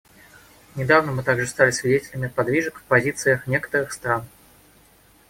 Недавно мы также стали свидетелями подвижек в позициях некоторых стран.